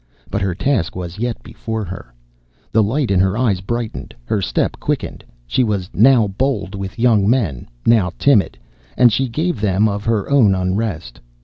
But her task was yet before her. The light in her eyes brightened, her step quickened, she was now bold with the young men, now timid, and she gave them of her own unrest.